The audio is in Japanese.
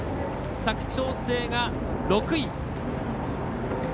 佐久長聖が６位。